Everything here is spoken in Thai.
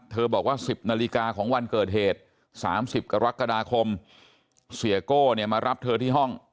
บอกว่า๑๐นาฬิกาของวันเกิดเหตุ๓๐กรกฎาคมเสียโก้เนี่ยมารับเธอที่ห้อง